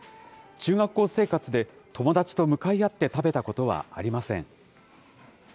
中学校生活で、友だちと向かい合って食べたことはありません。